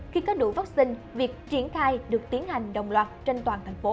khi có đủ vaccine việc triển khai được tiến hành đồng loạt